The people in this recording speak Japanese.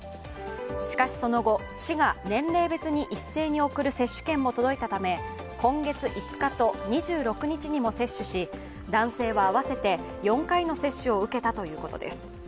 しかしその後、市が年齢別に一斉に送る接種券も届いたため、今月５日と２６日にも接種し、男性は合わせて４回の接種を受けたということです。